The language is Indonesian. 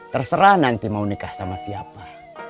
terserah nanti mau nikah sama siapa